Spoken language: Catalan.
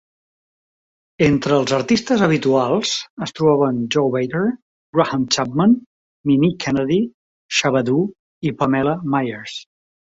Entre els artistes habituals es trobaven Joe Baker, Graham Chapman, Mimi Kennedy, Shabba-Doo i Pamela Myers.